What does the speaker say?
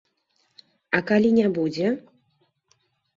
А калі не будзе?